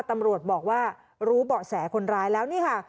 ตำรวจบอกว่ารู้เบาะแสคนร้ายแล้วนี่ค่ะ